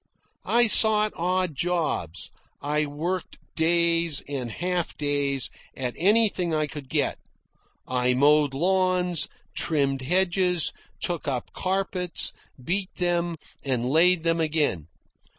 I sought odd jobs. I worked days, and half days, at anything I could get. I mowed lawns, trimmed hedges, took up carpets, beat them, and laid them again.